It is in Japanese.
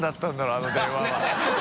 あの電話は。